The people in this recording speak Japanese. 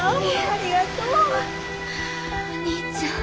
お兄ちゃん。